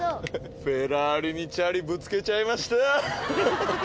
「フェラーリにチャリぶつけちゃいました」。